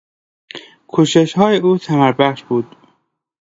کوشش های او ثمر بخش بود.